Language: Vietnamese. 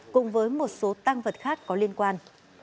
cùng với một số tăng vật khác có liên quan